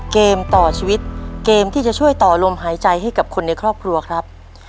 เกมต่อชีวิตเกมที่จะช่วยต่อลมหายใจให้กับคนในครอบครัวครับ